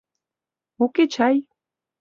Уке чай.